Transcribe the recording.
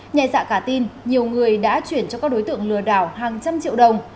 nhẹ dạ cả tin nhiều người đã chuyển cho các đối tượng lừa đảo hàng trăm triệu đồng